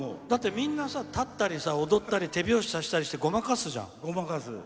だって、みんな立ったり踊ったり手拍子させたりしてごまかすじゃん。